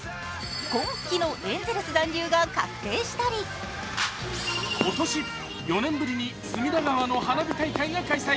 今季のエンゼルス残留が確定したり今年、４年ぶりに隅田川の花火大会が開催。